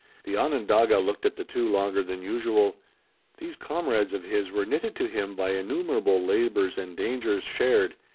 The Onondaga looked at the two longer than usual. These comrades of his were knitted to him by innumerable labors and dangers shared.